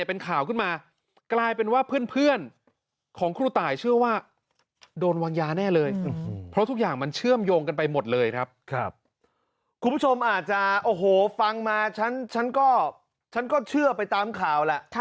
เป็นข่าวขึ้นมากลายเป็นว่าเพื่อนของครูตายเชื่อว่าโดนวางยาแน่เลยเพราะทุกอย่างมันเชื่อมโยงกันไปหมดเลยครับครับคุณผู้ชมอาจจะโอ้โหฟังมาฉันฉันก็ฉันก็เชื่อไปตามข่าวแล้ว